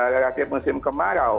relasi musim kemarau